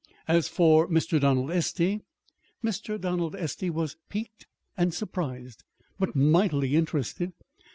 As to Mr. Donald Estey Mr. Donald Estey was piqued and surprised, but mightily interested.